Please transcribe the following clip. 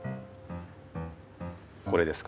これですか？